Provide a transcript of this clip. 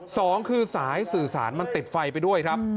สองคือสายสื่อสารมันติดไฟไปด้วยครับ